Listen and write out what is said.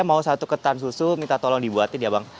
oke bang saya mau satu ketan susu minta tolong dibuat ya bang